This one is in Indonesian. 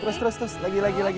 terus terus terus lagi lagi lagi